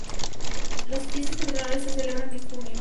Las Fiestas Patronales se celebran en junio.